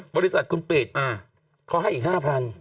บริษัทคุณปิดเขาให้อีก๕๐๐